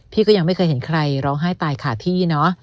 พี่ก็ยังไม่เคยเห็นใครร้องไห้ตายขาดที่เนอะ